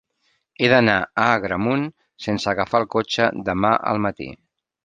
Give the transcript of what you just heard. He d'anar a Agramunt sense agafar el cotxe demà al matí.